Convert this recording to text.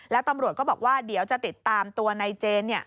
แล้วตำรวจก็บอกว่าเดี๋ยวจะติดตามตัวในเจน